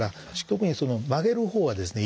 特に曲げるほうはですね